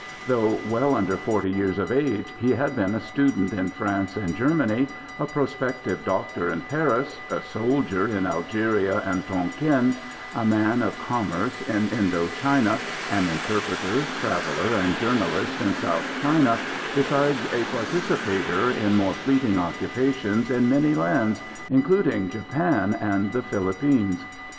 Though well under forty years of age, he had been a student in France and Germany, a prospective doctor in Paris, a soldier in Algeria and Tonquin, a man of commerce in Indo China, an interpreter, traveller, and journalist in South China, besides a participator in more fleeting occupations in many lands, including Japan and the Philippines.